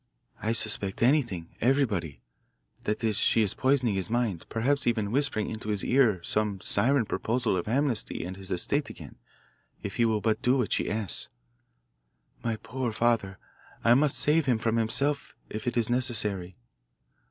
I suspect anything, everybody that she is poisoning his mind, perhaps even whispering into his ear some siren proposal of amnesty and his estate again, if he will but do what she asks. My poor father I must save him from himself if it is necessary.